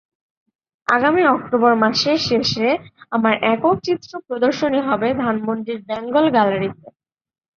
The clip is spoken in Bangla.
আগামী অক্টোবর মাসের শেষে আমার একক চিত্র প্রদর্শনী হবে ধানমন্ডির বেঙ্গল গ্যালারিতে।